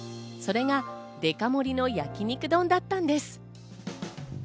それがデカ盛りのやきにく丼だったんです。